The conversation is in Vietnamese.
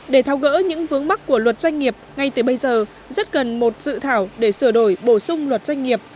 để thao gỡ những vướng mắt của luật doanh nghiệp ngay từ bây giờ rất cần một dự thảo để sửa đổi bổ sung luật doanh nghiệp